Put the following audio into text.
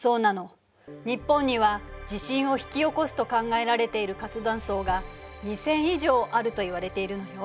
日本には地震を引き起こすと考えられている活断層が２，０００以上あるといわれているのよ。